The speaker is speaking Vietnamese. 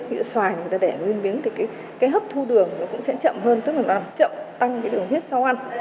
ví dụ xoài người ta đẻ nguyên miếng thì cái hấp thu đường nó cũng sẽ chậm hơn tức là nó chậm tăng cái đường huyết sau ăn